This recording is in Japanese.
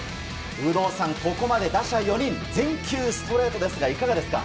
有働さん、ここまで打者４人全球ストレートですがいかがですか。